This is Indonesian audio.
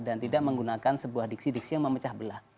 dan tidak menggunakan sebuah diksi diksi yang memecah belah